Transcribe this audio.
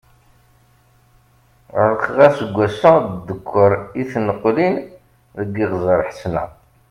Ɛelqeɣ aseggas-a dekkeṛ i tneqlin deg Iɣzeṛ Ḥesna.